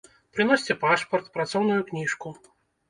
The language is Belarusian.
Прыносьце пашпарт, працоўную кніжку.